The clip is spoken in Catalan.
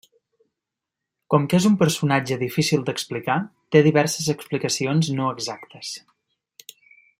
Com que és un personatge difícil d'explicar, té diverses explicacions no exactes.